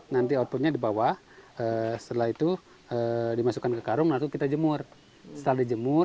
nanti outputnya di bawah setelah itu dimasukkan ke karung lalu kita jemur setelah dijemur